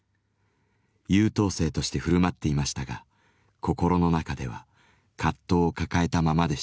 優等生として振る舞っていましたが心の中では葛藤を抱えたままでした。